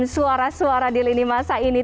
suara suara di lini masa ini